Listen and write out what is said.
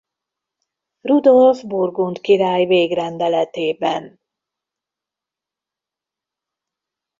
Rudolf burgund király végrendeletében.